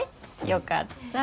よかった。